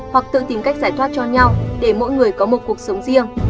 hoặc tự tìm cách giải thoát cho nhau để mỗi người có một cuộc sống riêng